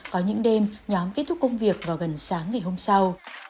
có những đêm nhóm kết thúc công việc vào gần sáng ngày hôm sau